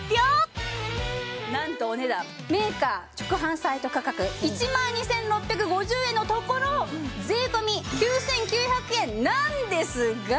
なんとお値段メーカー直販サイト価格１万２６５０円のところ税込９９００円なんですが！